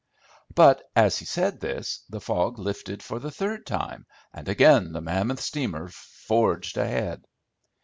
But, as he said this, the fog lifted for the third time, and again the mammoth steamer forged ahead.